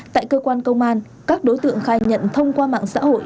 tại cơ quan công an các đối tượng khai nhận thông qua mạng xã hội